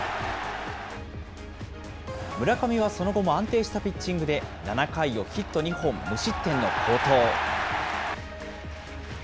村上はその後も安定したピッチングで、７回をヒット２本無失点の好投。